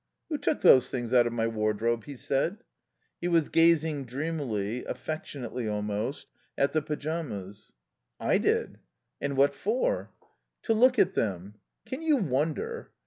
"Who took those things out of my wardrobe?" he said. He was gazing, dreamily, affectionately almost, at the pyjamas. "I did." "And what for?" "To look at them. Can you wonder?